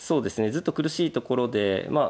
ずっと苦しいところでまあ